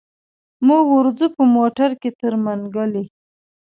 موږ ورځو په موټر کي تر منګلي.